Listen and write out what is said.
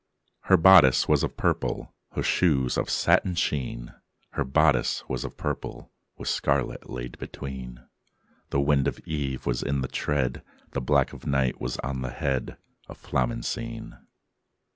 II Her bodice was of purple, Her shoes of satin sheen; Her bodice was of purple With scarlet laid between: The wind of eve was in the tread, The black of night was on the head Of Flamencine.